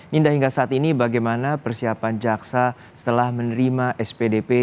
ninda hingga saat ini bagaimana persiapan jaksa setelah menerima spdp